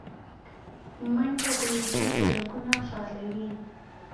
منډه د وجود رګونه فعالوي